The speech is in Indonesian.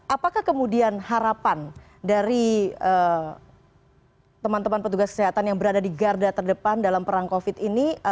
apakah kemudian harapan dari teman teman petugas kesehatan yang berada di garda terdepan dalam perang covid ini